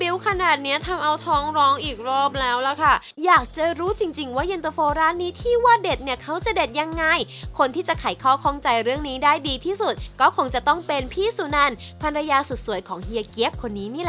ลูกค้าถูกอบถูกใจเย็นเตอร์โฟข้างล่างครับน้ำซอสที่เราคิดค้นขึ้นมาเนี้ยค่ะ